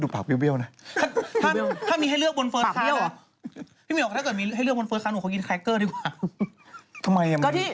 พี่เมียวถ้าเกิดมีให้เลือกบนเฟิร์สค้าหนูกินแคลกเกอร์ดีกว่า